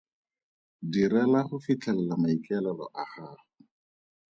Direla go fitlhelela maikaelelo a gago.